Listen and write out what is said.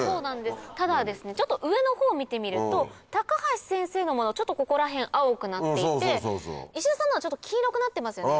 ただちょっと上の方を見てみると高橋先生のものちょっとここら辺青くなっていて石田さんの方は黄色くなってますよね。